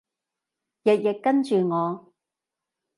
日日跟住我